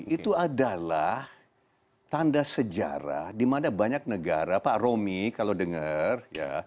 itu adalah tanda sejarah di mana banyak negara pak romi kalau dengar ya